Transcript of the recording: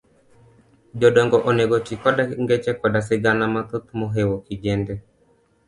jodongo onego oti koda ngeche koda sigana mathoth mohewo kijende.